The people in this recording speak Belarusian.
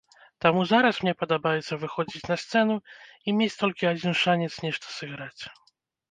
Таму зараз мне падабаецца выходзіць на сцэну і мець толькі адзін шанец нешта сыграць.